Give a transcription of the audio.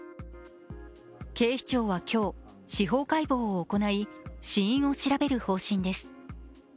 警視庁は今日、司法解剖を行い死因を調べる方針です。